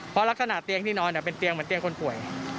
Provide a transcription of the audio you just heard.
เพราะลักษณะเตียงที่นอนเป็นเตียงเหมือนเตียงคนป่วย